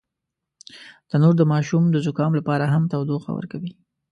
تنور د ماشوم د زکام لپاره هم تودوخه ورکوي